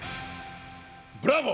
ブラボー！